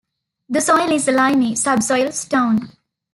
The soil is limey; subsoil, stone.